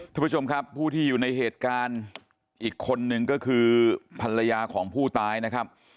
ผู้ที่อยู่ในเหตุการณ์อีกคนนึงก็คือภรรยาของผู้ตายนะครับ